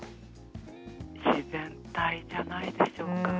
自然体じゃないでしょうか。